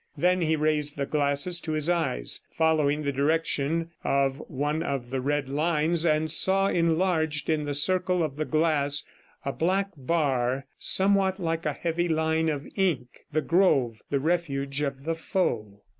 Then he raised the glasses to his eyes, following the direction of one of the red lines, and saw enlarged in the circle of the glass a black bar, somewhat like a heavy line of ink the grove, the refuge of the foe.